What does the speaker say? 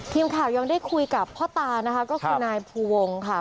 ทีมข่าวยังได้คุยกับพ่อตานะคะก็คือนายภูวงค่ะ